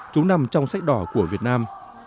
chúng nằm trong sách đỏ của việt nam